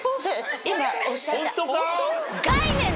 今おっしゃった。